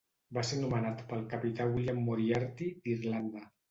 Va ser nomenat pel capità William Moriarty, d'Irlanda.